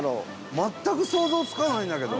全く想像つかないんだけど。